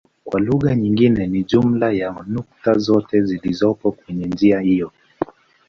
Kwa lugha nyingine ni jumla ya nukta zote zilizopo kwenye njia hiyo.